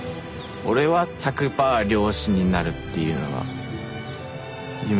俺は１００パー漁師になるっていうのが夢。